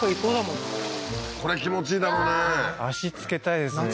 これ気持ちいいだろうね